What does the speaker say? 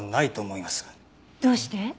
どうして？